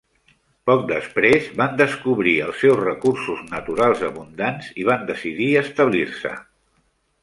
Poc després, van descobrir els seus recursos naturals abundants i van decidir establir-se.